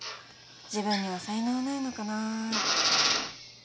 自分には才能ないのかなぁって。